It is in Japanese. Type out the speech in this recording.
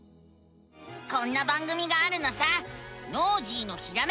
こんな番組があるのさ！